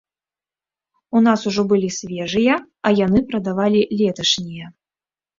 У нас ужо былі свежыя, а яны прадавалі леташнія.